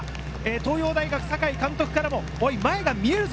東洋大学・酒井監督からも前が見えるぞ！